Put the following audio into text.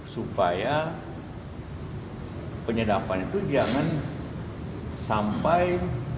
supaya penyedapan itu jangan sampai